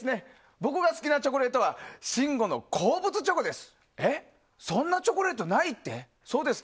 僕が好きなチョコレートは信五の好物チョコです。